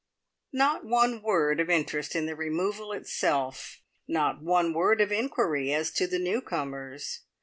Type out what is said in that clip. Not one word of interest in the removal itself! Not one word of inquiry as to the newcomers.